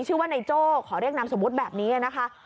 ชื่อว่านายโจ้ขอเรียกนามสมมุติแบบนี้นะคะ